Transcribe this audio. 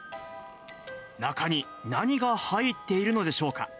中に何が入っているのでしょうか。